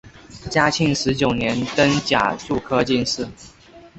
嘉庆十九年登甲戌科进士。